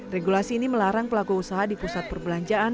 regulasi ini melarang pelaku usaha di pusat perbelanjaan